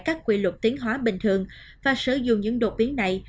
các quy luật tiến hóa bình thường và sử dụng những đột biến này